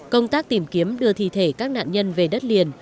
công tác tìm kiếm đưa thi thể các nạn nhân về đất liền